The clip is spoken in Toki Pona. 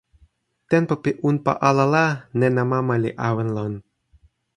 tenpo pi unpa ala la, nena mama li awen lon.